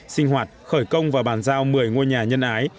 sinh hoạt khởi công và bàn giao một mươi ngôi nhà nhân ái